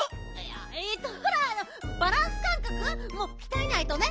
えっとほらあのバランスかんかくもきたえないとね。